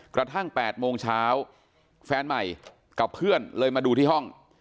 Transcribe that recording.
กระทั่ง๘โมงเช้าแฟนใหม่กับเพื่อนเลยมาดูที่ห้อง